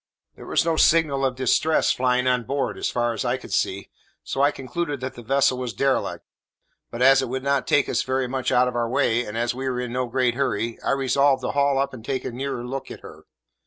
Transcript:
There was no signal of distress flying on board, so far as I could see, so I concluded that the vessel was derelict; but as it would not take us very much out of our way, and as we were in no great hurry, I resolved to haul up and take a nearer look at her.